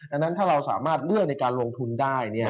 อันนั้นถ้าเราสามารถเลือกในการลงทุนได้